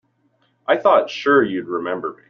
I thought sure you'd remember me.